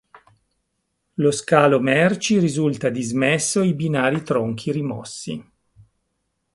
Lo scalo merci risulta dismesso e i binari tronchi rimossi.